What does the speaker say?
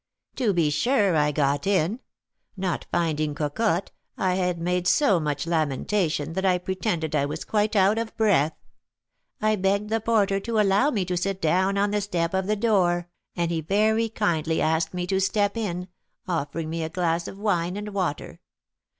"To be sure I got in! Not finding Cocotte, I had made so much lamentation that I pretended I was quite out of breath; I begged the porter to allow me to sit down on the step of the door, and he very kindly asked me to step in, offering me a glass of wine and water.